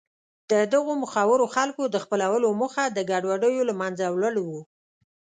د دغو مخورو خلکو د خپلولو موخه د ګډوډیو له منځه وړل و.